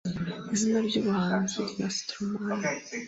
izina ry’ubuhanzi rya Stromae